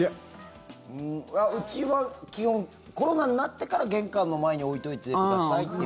うちは基本コロナになってから玄関の前に置いといてくださいっていう。